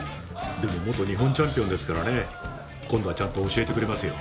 でも元日本チャンピオンですからね今度はちゃんと教えてくれますよ。